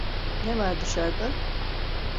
Ne var dışarda?